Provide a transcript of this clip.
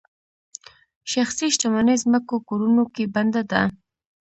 شخصي شتمني ځمکو کورونو کې بنده ده.